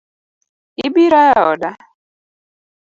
Ibiro eoda?